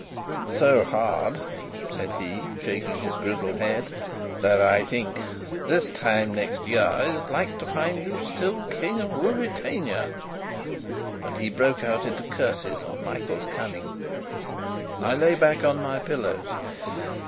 "So hard," said he, shaking his grizzled head, "that as I think, this time next year is like to find you still King of Ruritania!" and he broke out into curses on Michael's cunning. I lay back on my pillows.